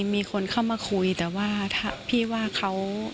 มีคนเข้ามาคุยแต่ว่าถ้าพี่ว่าเขา